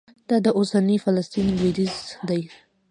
دا د اوسني فلسطین لوېدیځ دی.